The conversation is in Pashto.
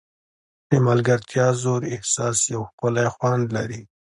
د ملګرتیا ژور احساس یو ښکلی خوند لري.